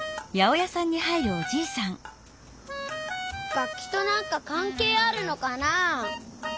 楽きとなんかかんけいあるのかな？